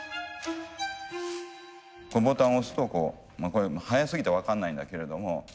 ボタンを押すとこう速すぎて分かんないんだけれども。